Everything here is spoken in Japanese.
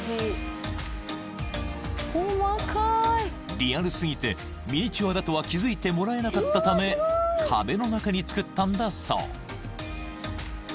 ［リアル過ぎてミニチュアだとは気付いてもらえなかったため壁の中に作ったんだそう］